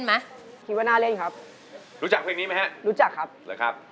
ไหมคิดว่าน่าเล่นครับรู้จักเพลงนี้ไหมฮะรู้จักครับหรือครับ